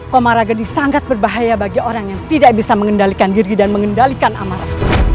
komarage ini sangat berbahaya bagi orang yang tidak bisa mengendalikan diri dan mengendalikan amarah